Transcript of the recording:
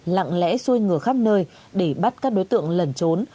lặng lẽ xuôi ngừa khắp nơi để bắt các đối tượng lẩn trốn